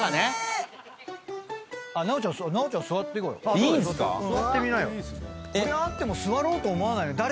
これあっても座ろうと思わない。